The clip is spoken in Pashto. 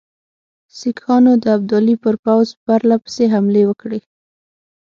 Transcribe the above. سیکهانو د ابدالي پر پوځ پرله پسې حملې وکړې.